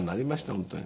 本当に。